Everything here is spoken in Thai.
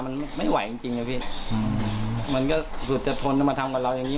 มันไม่ไหวจริงจริงนะพี่อืมมันก็สูตรจะทนแล้วมาทำกับเราอย่างนี้